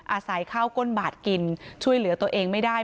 อาศัยข้าวก้นบาทกินช่วยเหลือตัวเองไม่ได้